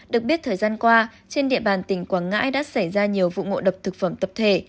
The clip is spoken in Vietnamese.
được biết thời gian qua trên địa bàn tỉnh quảng ngãi đã xảy ra nhiều vụ ngộ độc thực phẩm tập thể